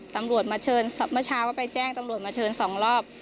ตำรวจมาเชิญเมื่อเช้าก็ไปแจ้งตำรวจมาเชิญสองรอบ